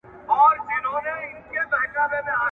بد په بلا اخته ښه دئ.